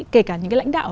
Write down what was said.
kể cả những cái lãnh đạo